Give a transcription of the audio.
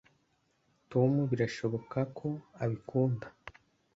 tom birashoboka ko abikunda